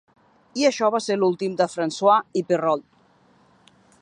I això va ser l'últim de Francois i Perrault.